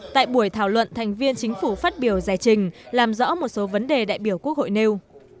tại buổi thảo luận thành viên chính phủ phát biểu giải trình làm rõ một số vấn đề đại biểu quốc hội nêu